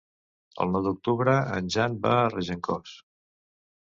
El nou d'octubre en Jan va a Regencós.